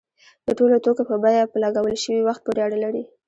د ټولو توکو بیه په لګول شوي وخت پورې اړه لري.